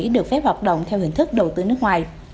được phép hoạt động theo hình thức đầu tư nước ngoài